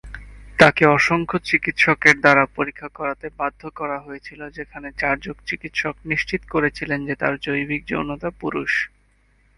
তাঁকে অসংখ্য চিকিৎসকের দ্বারা পরীক্ষা করাতে বাধ্য করা হয়েছিল যেখানে চারজন চিকিৎসক "নিশ্চিত" করেছিলেন যে তাঁর "জৈবিক যৌনতা" পুরুষ।